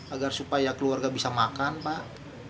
agar supaya keluarga bisa makan pak